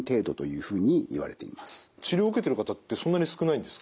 治療を受けてる方ってそんなに少ないんですか？